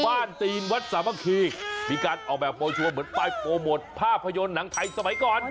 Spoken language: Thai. ตีนวัดสามัคคีมีการออกแบบโปรชัวร์เหมือนปลายโปรโมทภาพยนตร์หนังไทยสมัยก่อน